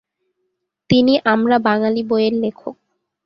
তিনি "আমরা বাঙালি" বইয়ের লেখক।